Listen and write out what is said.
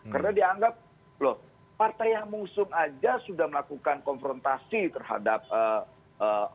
karena dianggap loh partai yang musuh saja sudah melakukan konfrontasi terhadap orang yang mengkritik jokowi